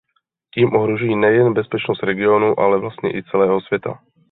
Tím ohrožují nejen bezpečnost regionu, ale vlastně i celého světa.